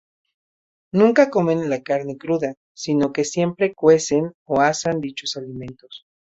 Nunca comen la carne cruda, sino que siempre cuecen o asan dichos alimentos.